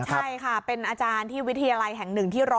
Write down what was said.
ใช่ค่ะเป็นอาจารย์ที่วิทยาลัยแห่ง๑ที่๑๐